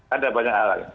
ada banyak hal lagi